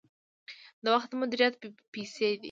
د وخت مدیریت پیسې دي